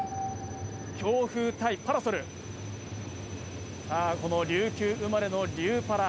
強風対パラソルさあこの琉球生まれのリューパラ